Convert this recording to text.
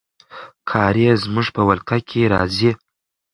کارېز زموږ په ولکه کې راځي.